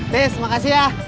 tis makasih ya